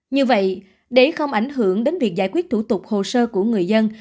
như vậy để không ảnh hưởng đến việc giải quyết thủ tục hồ sơ của người dân